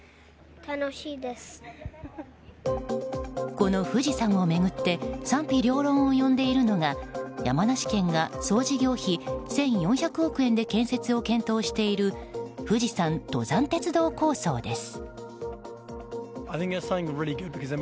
この富士山を巡って賛否両論を呼んでいるのが山梨県が総事業費１４００億円で建設を検討している富士山登山鉄道構想です。